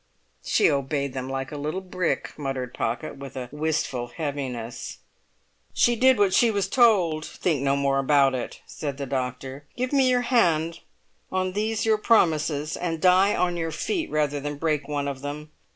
"She obeyed them like a little brick!" muttered Pocket, with a wistful heaviness. "She did what she was told; think no more about it," said the doctor. "Give me your hand on these your promises, and die on your feet rather than break one of them!